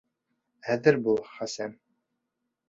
— Әҙер бул, Хәсән.